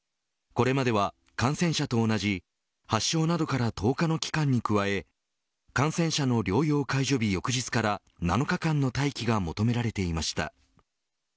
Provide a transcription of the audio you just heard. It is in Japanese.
これまでは、感染者と同じ発症などから１０日の期間に加え感染者の療養解除日翌日から７日間の待機が求められていました。